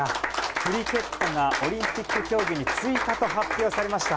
クリケットがオリンピック競技に追加と発表されました。